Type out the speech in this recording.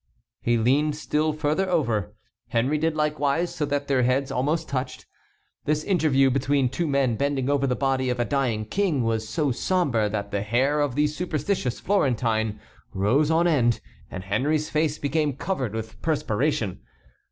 He leaned still further over. Henry did likewise, so that their heads almost touched. This interview between two men bending over the body of a dying king was so sombre that the hair of the superstitious Florentine rose on end, and Henry's face became covered with perspiration.